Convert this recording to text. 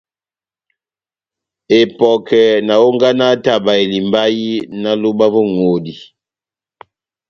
Epɔkɛ na hónganaha taba elimbahi náh lóba vó ŋʼhodi.